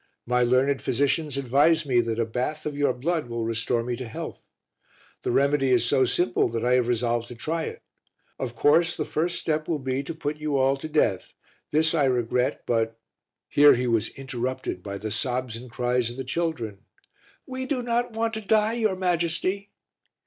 My learned physicians advise me that a bath of your blood will restore me to health. The remedy is so simple that I have resolved to try it. Of course, the first step will be to put you all to death. This I regret, but " Here he was interrupted by the sobs and cries of the children "We do not want to die, your Majesty!"